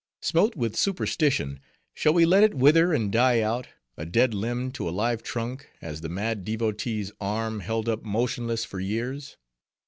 Smote with superstition, shall we let it wither and die out, a dead, limb to a live trunk, as the mad devotee's arm held up motionless for years?